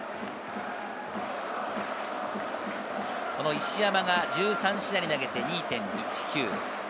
石山が１３試合投げて２．１９。